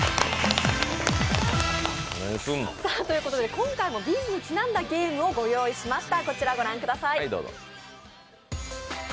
今回もＢ’ｚにちなんだゲームをご用意しました。